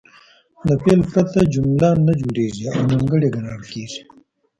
له فعل پرته جمله نه جوړیږي او نیمګړې ګڼل کیږي.